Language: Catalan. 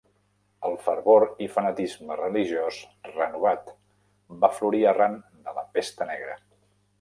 El fervor i fanatisme religiós renovat va florir arran de la Pesta Negra.